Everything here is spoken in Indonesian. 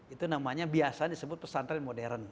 itu namanya biasa disebut pesantren modern